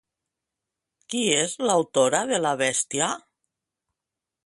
Qui és l'autora de la bèstia?